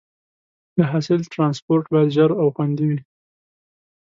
د حاصل ټرانسپورټ باید ژر او خوندي وي.